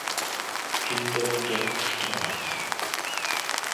Kinder der Straße.